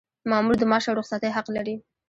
مامور د معاش او رخصتۍ حق لري.